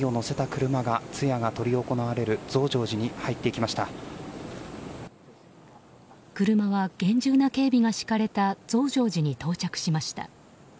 車は厳重な警備が敷かれた増上寺に到着しました。